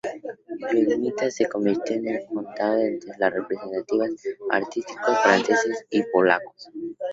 Ludmila se convirtió en el contacto entre los representantes artísticos franceses y polacos.